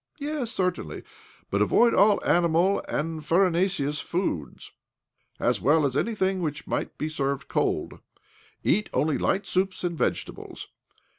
" Yes, certainly ; but avoid all animal and farinaceous food, as well as anything which 68 OBLOMOV may be served cold. Eat only light soups and vegetables.